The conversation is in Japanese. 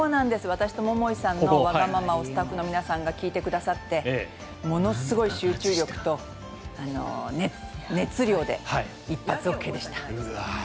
私と桃井さんのわがままをスタッフの皆さんが聞いてくださってものすごい集中力と熱量で一発ＯＫでした。